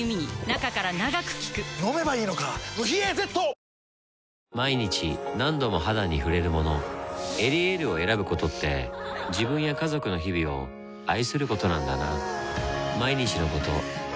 カロカロカロカロカロリミット毎日何度も肌に触れるもの「エリエール」を選ぶことって自分や家族の日々を愛することなんだなぁ